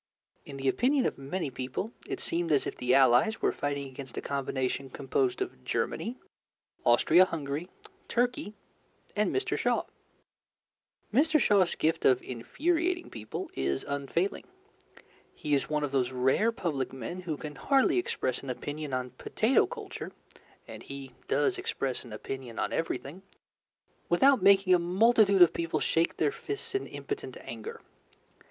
In the opinion of many people, it seemed as if the Allies were fighting against a combination composed of Germany, Austria Hungary, Turkey, and Mr. Shaw. Mr. Shaw's gift of infuriating people is unfailing. He is one of those rare public men who can hardly express an opinion on potato culture and he does express an opinion on everything without making a multitude of people shake their fists in impotent anger.